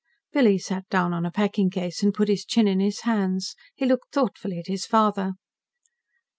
Billy sat down on a packing case and put his chin in his hands. He looked thoughtfully at his father.